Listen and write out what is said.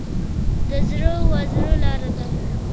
د زړه و زړه لار ده.